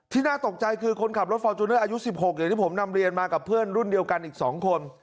น่าตกใจคือคนขับรถฟอร์จูเนอร์อายุ๑๖อย่างที่ผมนำเรียนมากับเพื่อนรุ่นเดียวกันอีก๒คน